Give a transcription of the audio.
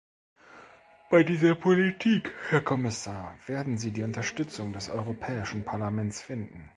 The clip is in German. Bei dieser Politik, Herr Kommissar, werden Sie die Unterstützung des Europäischen Parlaments finden.